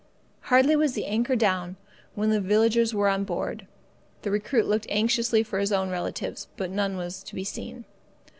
Hardly was the anchor down, when the villagers were on board. The recruit looked anxiously for his own relatives, but none was to be seen.